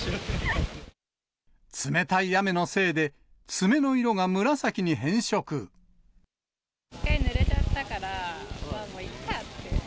冷たい雨のせいで、爪の色が一回、ぬれちゃったから、もういっかって。